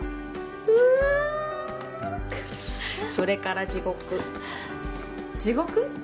うわっそれから地獄地獄？